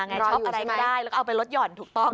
ชอบอะไรไม่ได้แล้วก็เอาไปลดห่อนถูกต้อง